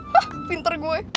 hah pinter gue